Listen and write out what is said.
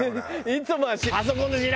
いつもは。